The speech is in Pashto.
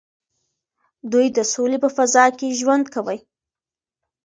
دوی د سولې په فضا کې ژوند کوي.